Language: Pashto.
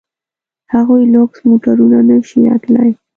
د هغوی لوکس موټرونه نه شي راتلای.